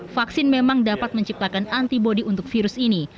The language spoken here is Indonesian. vaksin memang dapat menciptakan antibody untuk virus ini